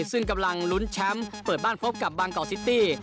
ซึ่งกำลังลุ้นแชมป์เปิดบ้านพบกับบางกอกซิตี้